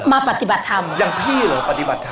ปฏิบัติธรรมอย่างพี่เหรอปฏิบัติธรรม